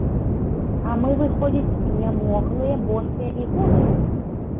А мы, выходзіць, нямоглыя, босыя і голыя?